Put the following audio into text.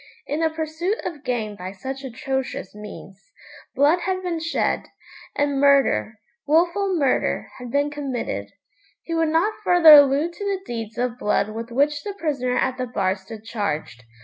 In the pursuit of gain by such atrocious means, blood had been shed, and murder, wilful murder, had been committed. He would not further allude to the deeds of blood with which the prisoner at the bar stood charged.